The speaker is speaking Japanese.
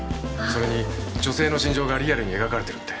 それに女性の心情がリアルに描かれてるって。